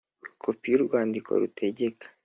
Kopi y urwandiko rutegeka